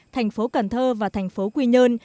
thành phố cần thơ và thành phố quy nhơn